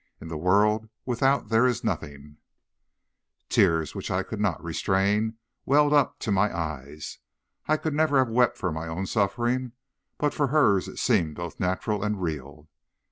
In the world without there is nothing.' "Tears, which I could not restrain, welled up to my eyes. I could never have wept for my own suffering, but for hers it seemed both natural and real.